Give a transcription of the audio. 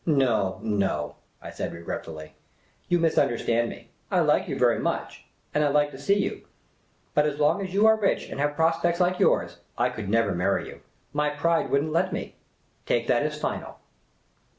" No, no," I said regretfully. " You misunderstand me. I like you very much ; and I like to see you. But as long as you are rich and have prospects like yours, I could never marry you. My pride would n't let me. Take that as final."